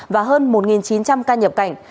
và hơn một chín trăm linh ca nhập cảnh